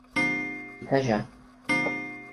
Itajá